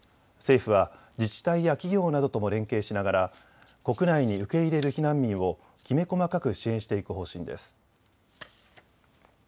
政府は自治体や企業などとも連携しながら国内に受け入れる避難民をきめ細かく支援していく方針です。